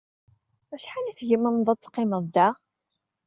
Acḥal i tgemneḍ ad teqqimeḍ da?